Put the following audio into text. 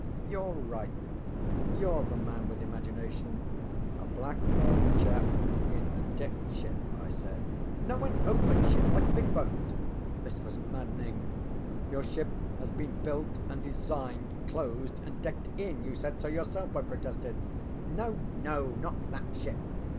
ŌĆ£YouŌĆÖre right. YouŌĆÖre the man with imagination. A black haired chap in a decked ship, ŌĆØ I said. ŌĆ£No, an open ship like a big boat. ŌĆØ This was maddening. ŌĆ£Your ship has been built and designed, closed and decked in; you said so yourself, ŌĆØ I protested. ŌĆ£No, no, not that ship.